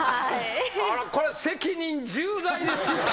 これ責任重大ですよ。